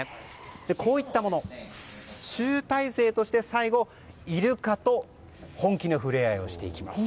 こういったものの集大成として最後イルカと本気の触れ合いをしていきます。